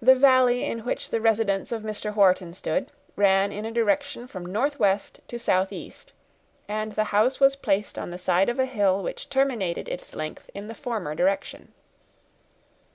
The valley in which the residence of Mr. Wharton stood ran in a direction from northwest to southeast, and the house was placed on the side of a hill which terminated its length in the former direction.